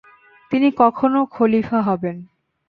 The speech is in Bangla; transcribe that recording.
তিনি কখনো খলিফা হবেন।